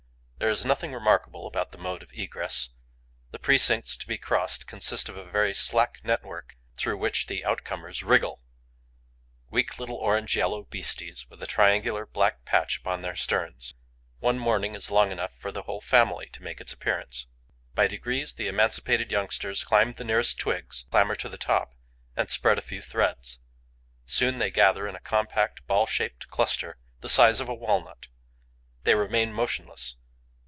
There is nothing remarkable about the mode of egress. The precincts to be crossed consist of a very slack net work, through which the outcomers wriggle: weak little orange yellow beasties, with a triangular black patch upon their sterns. One morning is long enough for the whole family to make its appearance. By degrees, the emancipated youngsters climb the nearest twigs, clamber to the top, and spread a few threads. Soon, they gather in a compact, ball shaped cluster, the size of a walnut. They remain motionless.